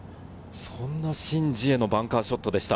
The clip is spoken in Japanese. そんなシン・ジエのバンカーショットでした。